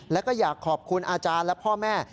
แล้วก็อยากขอบคุณอาจารย์และพ่อแม่